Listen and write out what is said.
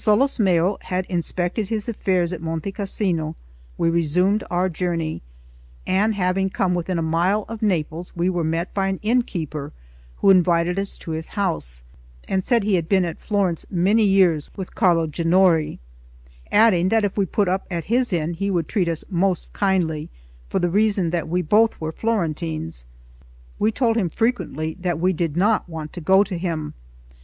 LXVIII WHEN Solosmeo had inspected his affairs at Monte Cassino, we resumed our journey; and having come within a mile of Naples, we were met by an innkeeper, who invited us to his house, and said he had been at Florence many years with Carlo Ginori; adding, that if we put up at his inn, he would treat us most kindly, for the reason that we both were Florentines. We told him frequently that we did not want to go to him.